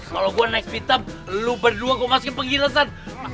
kalau gue naik pitem lu berdua gue masukin penggilesan